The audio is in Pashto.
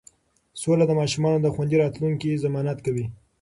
سوله د ماشومانو د خوندي راتلونکي ضمانت کوي.